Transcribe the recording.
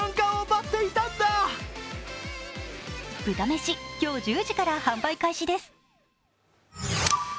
豚めし、今日１０時から販売開始です。